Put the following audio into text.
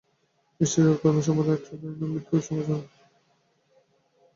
তিনি শিকাগোর কর্মী সম্প্রদায়ের ট্রেড ইউনিয়নবাদী ও সমাজতন্ত্রীদের ঐক্যবদ্ধ করতে পারেননি।